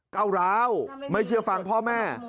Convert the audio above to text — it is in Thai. ก้าวร้าวไม่เชื่อฟังพ่อแม่